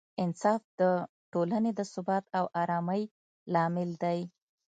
انصاف د ټولنې د ثبات او ارامۍ لامل دی.